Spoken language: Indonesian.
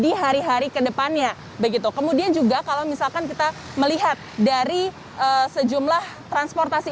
di hari hari kedepannya begitu kemudian juga kalau misalkan kita melihat dari sejumlah transportasi